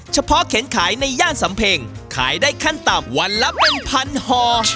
เข็นขายในย่านสำเพ็งขายได้ขั้นต่ำวันละเป็นพันห่อ